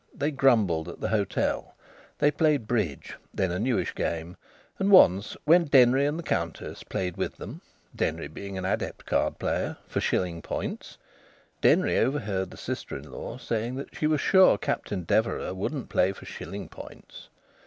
They grumbled at the hotel; they played bridge (then a newish game); and once, when Denry and the Countess played with them (Denry being an adept card player) for shilling points, Denry overheard the sister in law say that she was sure Captain Deverax wouldn't play for shilling points.